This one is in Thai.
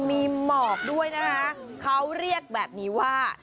มีหมอกด้วยนะคะเขาเรียกแบบนี้ว่า